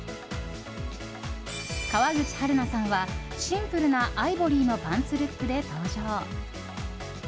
川口春奈さんはシンプルなアイボリーのパンツルックで登場。